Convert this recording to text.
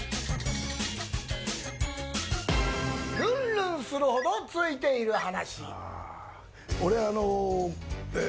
ルンルンするほどツイている話。